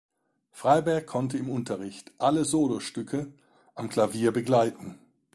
Freiberg konnte im Unterricht alle Solostücke am Klavier begleiten.